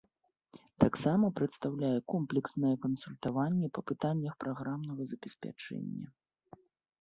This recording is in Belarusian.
Таксама прадастаўляе комплекснае кансультаванне па пытаннях праграмнага забеспячэння.